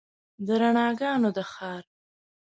د رڼاګانو د ښار